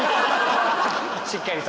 しっかりと。